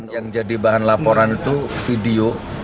yang jadi bahan laporan itu video